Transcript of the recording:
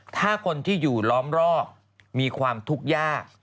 ถ้าคนที่อยู่ล้อมรอบมีความทุกข์ยาก